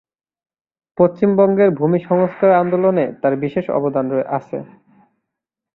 পশ্চিমবঙ্গের ভূমি সংস্কার আন্দোলনে তাঁর বিশেষ অবদান আছে।